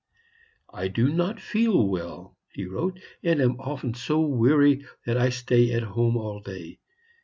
"I do not feel well," he wrote, "and am often so weary that I stay at home all day.